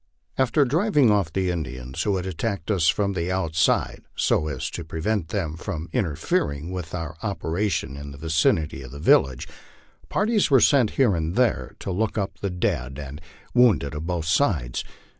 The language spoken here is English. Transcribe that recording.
After driving off the Indians who had attacked us from the outside, so as to prevent them from interfering with our operations ic. t? vicinity of the village, parties were sent here and there to look up the dead and wounded of T :oth sides.